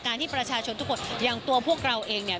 ที่ประชาชนทุกคนอย่างตัวพวกเราเองเนี่ย